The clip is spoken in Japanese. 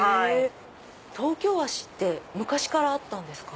東京和紙って昔からあったんですか？